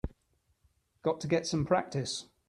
Got to get some practice.